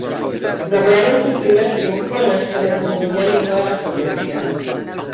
Lograron su primer triunfo en la historia de un Mundial en todas las categorías.